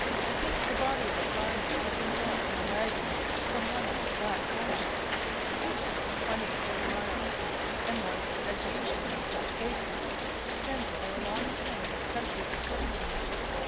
The body of a farmer had been brought in a waggon from one of the back townships, a distance of twenty or thirty miles, and was, as usual in such cases, attended by a long train of country equipages.